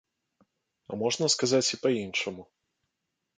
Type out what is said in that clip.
А можна сказаць і па-іншаму.